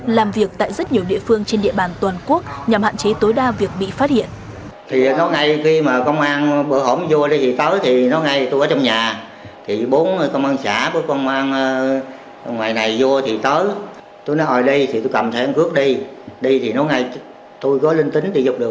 làm việc tại rất nhiều địa phương trên địa bàn toàn quốc nhằm hạn chế tối đa việc bị phát hiện